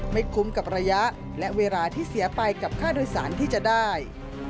ไม่คุ้มกับระยะและเวลาที่เสียไปกับค่าโดยสารที่จะได้